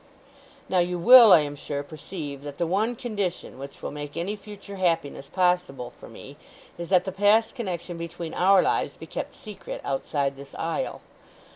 "Now you will, I am sure, perceive that the one condition which will make any future happiness possible for me is that the past connection between our lives be kept secret outside this isle.